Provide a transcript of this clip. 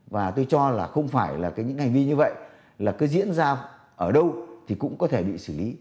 và tôi cho là không phải là những hành vi như vậy là cứ diễn ra ở đâu thì cũng có thể bị xử lý